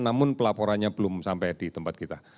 namun pelaporannya belum sampai di tempat kita